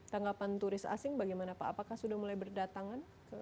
tanggapan turis asing bagaimana pak apakah sudah mulai berdatangan